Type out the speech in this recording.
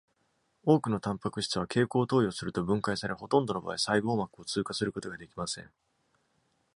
多くのタンパク質は経口投与すると分解され、ほとんどの場合、細胞膜を通過することができません。